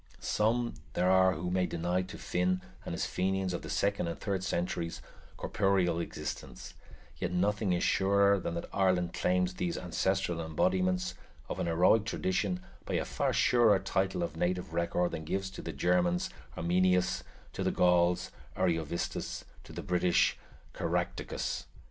Some there are who may deny to Finn and his Fenians of the second and third centuries corporeal existence; yet nothing is surer than that Ireland claims these ancestral embodiments of an heroic tradition by a far surer title of native record than gives to the Germans Arminius, to the Gauls, Ariovistus, to the British, Caractacus.